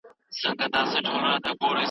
حکومت مخکي له شتمنو پیسې اخیستې وې.